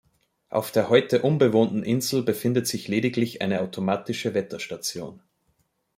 Auf der heute unbewohnten Insel befindet sich lediglich eine automatische Wetterstation.